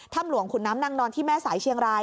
หลวงขุนน้ำนางนอนที่แม่สายเชียงราย